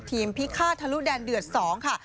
ทีมพิฆาธรุดแดนเดือด๒ค่ะ